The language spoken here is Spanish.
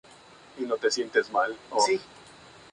Es el monumento símbolo de la región del Piamonte.